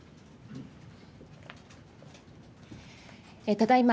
ただいま